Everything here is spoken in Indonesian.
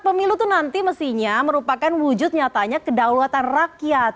pemilu itu nanti mestinya merupakan wujud nyatanya kedaulatan rakyat